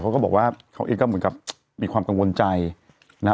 เขาก็บอกว่าเขาเองก็เหมือนกับมีความกังวลใจนะฮะ